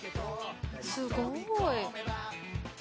すごい！